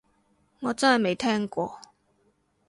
我真係未聽過